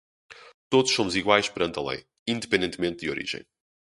Todos somos iguais perante a lei, independentemente de origem.